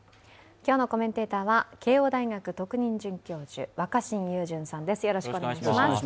今日のコメンテーターは慶応大学特任准教授、若新雄純さんです。